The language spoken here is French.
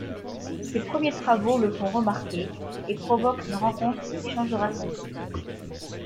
Ces premiers travaux le font remarquer et provoquent une rencontre qui changera sa vie.